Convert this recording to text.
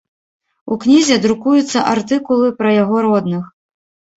У кнізе друкуюцца артыкулы пра яго родных.